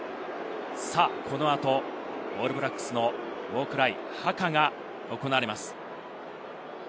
この後オールブラックスのウォークライ、ハカが行われます。